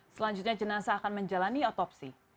selanjutnya jenazah akan menjalani otopsi